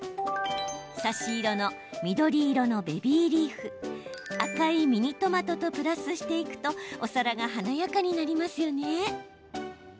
差し色の緑色のベビーリーフ赤いミニトマトとプラスしていくとお皿が華やかになりますよね。